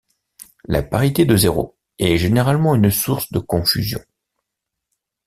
La parité de zéro est généralement une source de confusion.